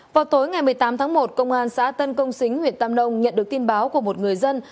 vào tối ngày một mươi tám tháng một công an xã tân công xính huyện tam nông nhận được tin báo của một người dân